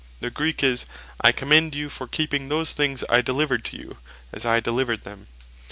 The Greek is, "I commend you for keeping those things I delivered to you, as I delivered them."